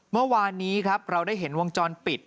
เมื่อวานนี้ครับเราได้เห็นวงจรปิด